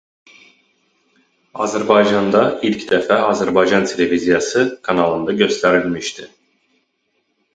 Azərbaycanda ilk dəfə Azərbaycan Televiziyası kanalında göstərilmişdir.